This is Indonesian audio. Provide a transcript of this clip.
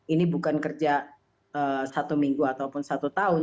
ini bukan kerja satu minggu ataupun satu tahun